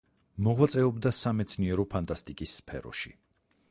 მოღვაწეობდა სამეცნიერო ფანტასტიკის სფეროში.